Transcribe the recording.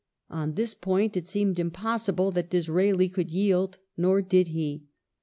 ^ On this point it seemed impossible that Disraeli could yield, nor did he.